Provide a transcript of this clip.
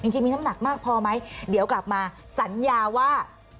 จริงมีน้ำหนักมากพอไหมเดี๋ยวกลับมาสัญญาว่า